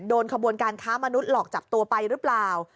โดนขบวนการค้ามนุษย์หลอกจับตัวไปหรือเปล่า